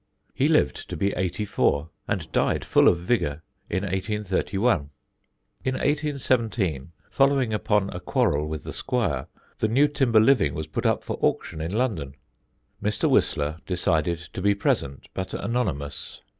He lived to be eighty four and died full of vigour in 1831. In 1817, following upon a quarrel with the squire, the Newtimber living was put up for auction in London. Mr. Whistler decided to be present, but anonymous.